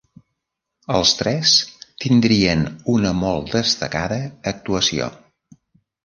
Els tres tindrien una molt destacada actuació.